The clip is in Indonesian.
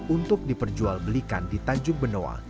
untuk diperjual belikan di tanjung benoa